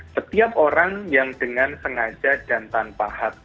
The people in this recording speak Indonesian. setiap orang yang dengan sengaja dan tanpa hak